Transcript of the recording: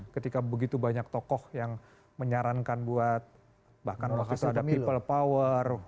ketika begitu banyak tokoh yang menyarankan buat bahkan waktu itu ada people power